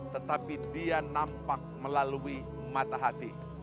tetapi dia nampak melalui mata hati